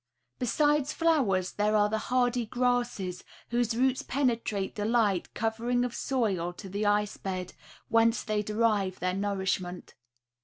Besides flowers, there are the hardy grasses whose roots penetrate the light covering of soil to the ice bed, whence they derive their nourishment.